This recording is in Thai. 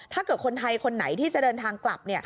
ถ้าเกิดคนไทยคนไหนที่จะเดินทางกลับ